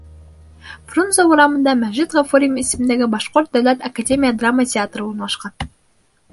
Фрунзе урамында Мәжит Ғафури исемендәге Башҡорт дәүләт академия драма театры урынлашҡан.